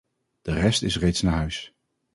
De rest is reeds naar huis.